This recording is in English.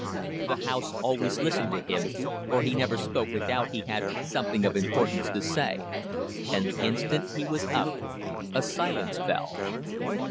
The House always listened to him, for he never spoke without he had something of importance to say. And the instant he was up a silence fell.